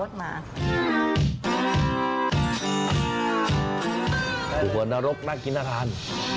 ถั่วนรกน่ากินท้ายทาน